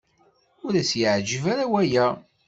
Ur as-yeɛjib ara waya.